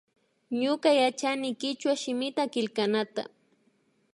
Ñuka yachani kichwa shimita killknata